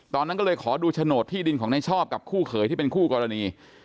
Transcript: ตอนนั้นก็เลยขอดูโฉนดที่ดินของในชอบกับคู่เขยที่เป็นคู่กรณี